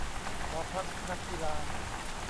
หอพักนักกีฬา ?